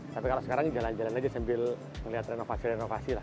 tapi kalau sekarang jalan jalan aja sambil melihat renovasi renovasi lah